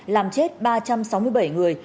làm chết ba trăm sáu mươi bảy người